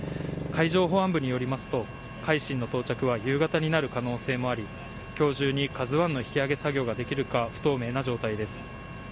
海上保安部によりますと、海進の到着は夕方になる可能性もあり、きょう中にＫＡＺＵＩの引き揚げ作業ができるか不透明な状態です。